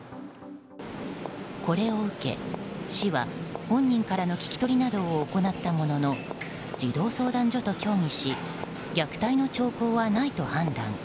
これを受け、市は本人からの聞き取りなどを行ったものの児童相談所と協議し虐待の兆候はないと判断。